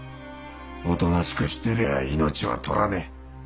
おとなしくしてりゃ命は取らねえ。